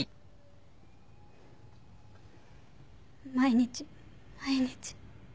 毎日毎日。